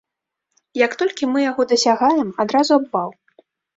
Як толькі мы яго дасягаем, адразу абвал.